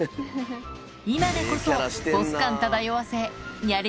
今でこそボス感漂わせニャレ